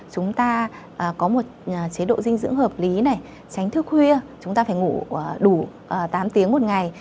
chúng ta có một chế độ dinh dưỡng hợp lý này tránh thức khuya chúng ta phải ngủ đủ tám tiếng một ngày